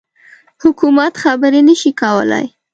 حکومت خبري نه شي کولای.